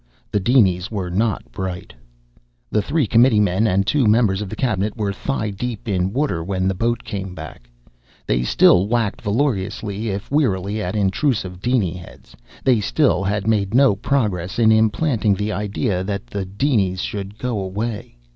The dinies were not bright. The three committeemen and two members of the cabinet were thigh deep in water when the boat came back. They still whacked valorously if wearily at intrusive diny heads. They still had made no progress in implanting the idea that the dinies should go away.